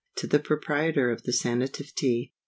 To the Proprietor of the SANATIVE TEA.